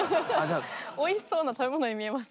おいしそうな食べ物に見えます。